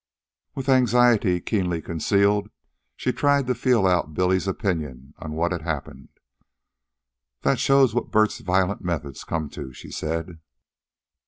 With anxiety keenly concealed, she tried to feel out Billy's opinion on what had happened. "That shows what Bert's violent methods come to," she said.